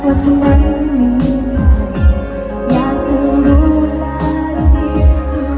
ขอบใจแม้วิทยาชันเจียง